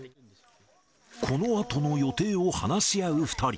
このあとの予定を話し合う２人。